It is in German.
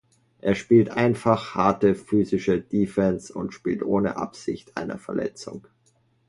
Er spielt einfach harte, physische Defense und spielt ohne Absicht einer Verletzung.